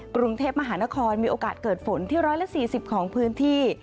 กรุงเทพมหานครมีโอกาสเกิดฝนที่๑๔๐ของพื้นที่